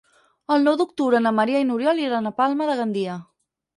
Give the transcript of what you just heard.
El nou d'octubre na Maria i n'Oriol iran a Palma de Gandia.